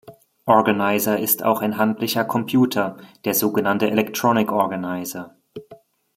Organizer ist auch ein handlicher Computer, der sogenannte Electronic Organizer.